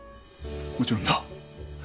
もちろんだ。